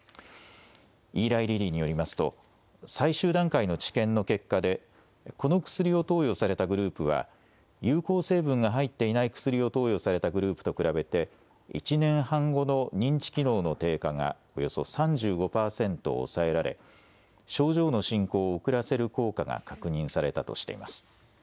イーライリリーによりますと最終段階の治験の結果でこの薬を投与されたグループは有効成分が入っていない薬を投与されたグループと比べて１年半後の認知機能の低下がおよそ３５％抑えられ症状の進行を遅らせる効果が確認されたとしています。